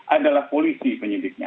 adalah polisi penyidiknya